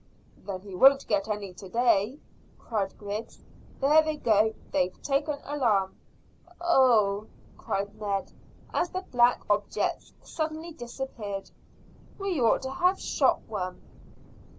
"Then he won't get any to day," cried Griggs. "There they go; they've taken alarm." "Oh!" cried Ned, as the black objects suddenly disappeared. "We ought to have shot one."